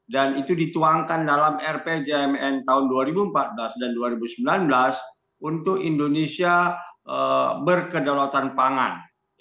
dan itu dituangkan dalam rpjmn tahun dua ribu empat belas dan dua ribu sembilan belas untuk indonesia berkedaulatan pangan